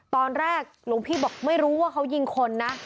หลวงพี่บอกไม่รู้ว่าเขายิงคนนะ